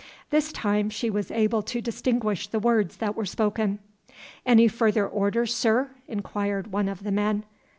This time she was able to distinguish the words that were spoken. "Any further orders, sir?" inquired one of the men.